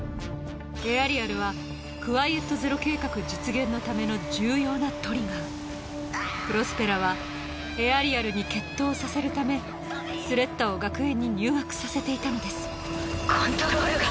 エアリアルはクワイエット・ゼロ計画実現のための重要なトリガープロスペラはエアリアルに決闘をさせるためスレッタを学園に入学させていたのですコントロールが。